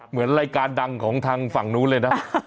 เหมือนรายการดังของทางฝั่งนู้นเลยนะ